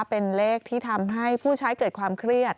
เป็นเลขที่ทำให้ผู้ใช้เกิดความเครียด